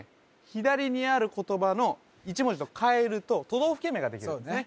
左にある言葉の１文字と換えると都道府県名ができるんですね